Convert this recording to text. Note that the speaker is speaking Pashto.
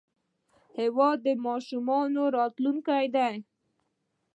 هېواد د ماشومانو راتلونکی دی.